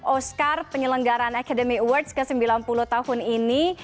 oscar penyelenggaran academy awards ke sembilan puluh tahun ini